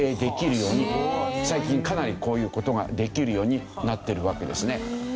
すごい！最近かなりこういう事ができるようになっているわけですね。